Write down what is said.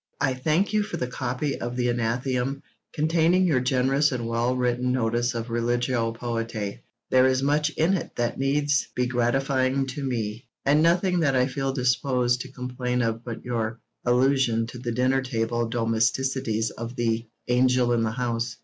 I thank you for the copy of the Athenæum, containing your generous and well written notice of 'Religio Poetae.' There is much in it that must needs be gratifying to me, and nothing that I feel disposed to complain of but your allusion to the 'dinner table domesticities of the "Angel in the House."'